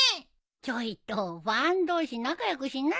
ちょいとファン同士仲良くしなよ。